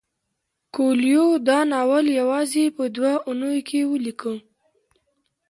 کویلیو دا ناول یوازې په دوه اونیو کې ولیکه.